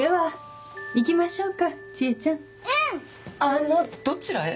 あのどちらへ？